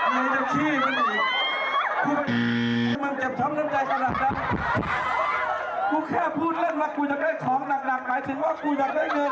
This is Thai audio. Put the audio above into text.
ถ้าจะได้ของหนักหมายถึงว่ากูอยากได้เงิน